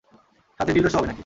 সাথে dildo show হবে নাকি?